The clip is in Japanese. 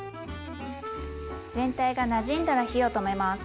全体がなじんだら火を止めます。